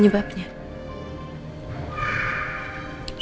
apa mas parmadi penyebabnya